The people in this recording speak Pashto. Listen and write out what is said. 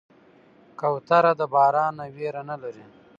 کوتره د باران نه ویره نه لري.